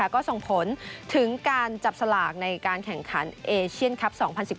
ก็ส่งผลถึงการจับสลากในการแข่งขันเอเชียนคลับ๒๐๑๙